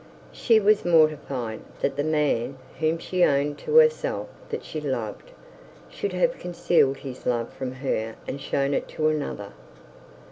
She was mortified that the man whom she owned to herself that she loved should have concealed his love from her and shown it to another.